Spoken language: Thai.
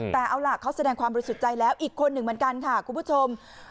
แต่เอาล่ะเขาแสดงความบริสุทธิ์ใจแล้วอีกคนหนึ่งเหมือนกันค่ะคุณผู้ชม